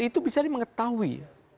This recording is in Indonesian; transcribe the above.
dpr itu bisa di mengetahui